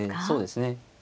そうですね。